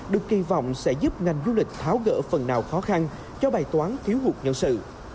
được kỳ vọng sẽ giúp ngành du lịch tháo gỡ phần nào khó khăn cho bài toán thiếu hụt nhân sự